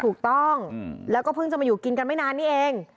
ถูกต้องแล้วก็เพิ่งจะมาอยู่กินกันไม่นานนี้เอง